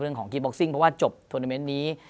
เรื่องของคีย์บอคซิ้งเพราะว่าจบโทรแมนท์นี้